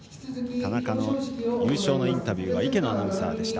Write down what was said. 田中の優勝インタビューは池野アナウンサーでした。